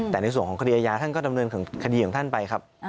แต่ในส่วนของคดีอาญาท่านก็ดำเนินคดีของท่านไปครับ